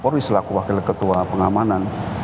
panglima tni selaku wakil ketua pengamanan